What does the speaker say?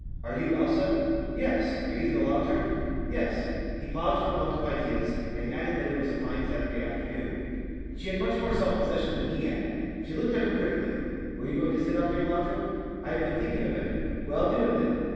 "Are you Elsa?" "Yes. Are you the lodger?" "Yes." He paused for want of ideas, and added that it was a fine Saturday afternoon. She had much more self possession than he had. She looked at him critically. "Were you going to sit out here, lodger?" "I had been thinking of it." "Well, do it then."